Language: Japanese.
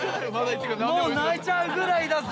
もう泣いちゃうぐらいだぜ！